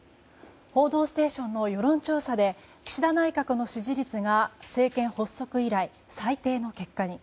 「報道ステーション」の世論調査で岸田内閣の支持率が政権発足以来最低の結果に。